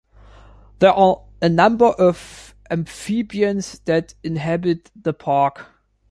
There are a number of Amphibians that inhabit the park.